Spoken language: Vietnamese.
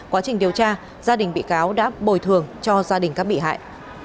quá trình điều tra gia đình bị cáo đã bồi thường cho gia đình các bị hại